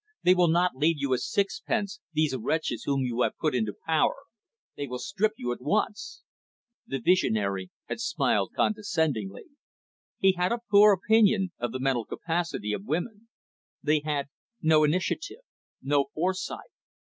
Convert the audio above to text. They will not leave you a sixpence, these wretches whom you have put into power. They will strip you at once." The visionary had smiled condescendingly. He had a poor opinion of the mental capacity of women. They had no initiative, no foresight.